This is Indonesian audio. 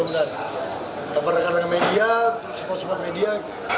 kita berdekatan dengan media support support media